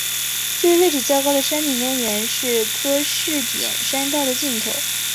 至于位置较高的山顶公园是柯士甸山道的尽头。